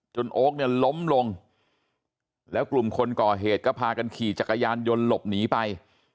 โอ๊คเนี่ยล้มลงแล้วกลุ่มคนก่อเหตุก็พากันขี่จักรยานยนต์หลบหนีไป